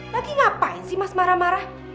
lagi ngapain sih mas marah marah